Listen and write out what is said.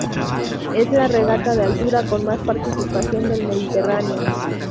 Es la regata de altura con más participación del Mediterráneo.